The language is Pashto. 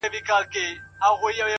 کاظم خان شيدا